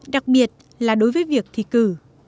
đặc biệt là đối với việc thi cử